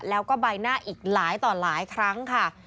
แล้วก็ใบหน้าอีกหลายต่อหลายครั้งค่ะ